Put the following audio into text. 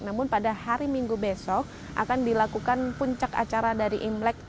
namun pada hari minggu besok akan dilakukan puncak acara dari imlek